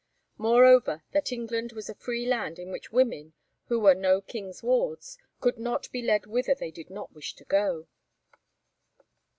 Moreover, that England was a free land in which women, who were no king's wards, could not be led whither they did not wish to go.